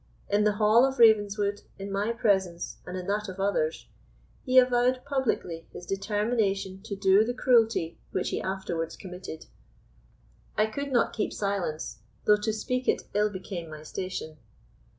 In the hall of Ravenswood, in my presence and in that of others, he avowed publicly his determination to do the cruelty which he afterwards committed. I could not keep silence, though to speak it ill became my station.